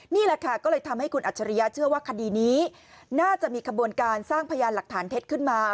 นี่แหละค่ะก็เลยทำให้คุณอัจฉริยะเชื่อว่าคดีนี้น่าจะมีขบวนการสร้างพยานหลักฐานเท็จขึ้นมา